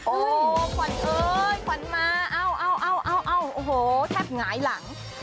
โอ้โหขวัญเอ้ยขวัญมาเอาเอาโอ้โหแทบหงายหลัง